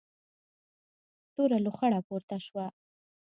توره لوخړه پورته شوه.